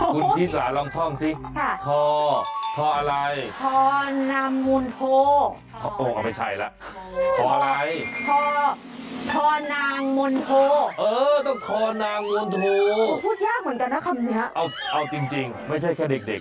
ข้าวมะนุนโท